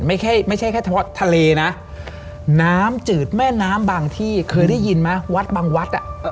ไม่ใช่ไม่ใช่แค่เฉพาะทะเลนะน้ำจืดแม่น้ำบางที่เคยได้ยินไหมวัดบางวัดอ่ะ